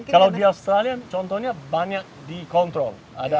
kalau di australia contohnya banyak dikontrol